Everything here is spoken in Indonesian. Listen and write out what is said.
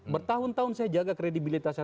bertahun tahun saya jaga kredibilitasnya